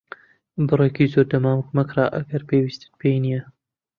بڕێکی زۆر دەمامک مەکڕە ئەگەر پێویستیت پێی نییە.